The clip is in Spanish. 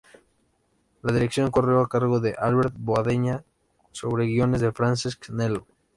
La dirección corrió a cargo de Albert Boadella, sobre guiones de Francesc Nello.